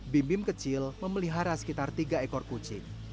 bim bim kecil memelihara sekitar tiga ekor kucing